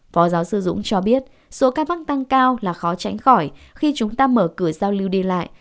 phó giáo sư dũng cho biết số ca mắc tăng cao là khó tránh khỏi khi chúng ta mở cửa giao lưu đi lại